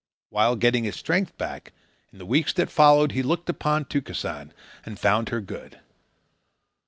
While getting his strength back, in the weeks that followed, he looked upon Tukesan and found her good.